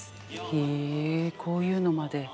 へえこういうのまで。